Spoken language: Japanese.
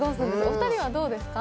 お二人はどうですか？